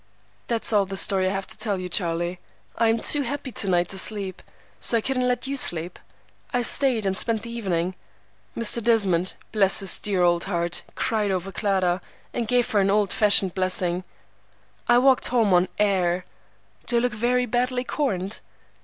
"That's all the story I have to tell you, Charlie. I am too happy to night to sleep, so I couldn't let you sleep. I stayed and spent the evening. Mr. Desmond, bless his dear old heart! cried over Clara, and gave her an old fashioned blessing. I walked home on air. Do I look very badly corned?"